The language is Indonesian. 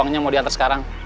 uangnya mau diantar sekarang